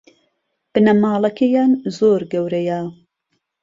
بنەماڵەکەیان زۆر گەورەیە